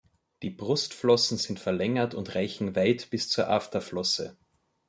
Die Brustflossen sind verlängert und reichen weit bis zur Afterflosse.